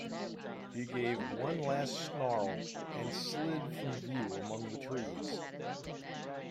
He gave one last snarl and slid from view among the trees.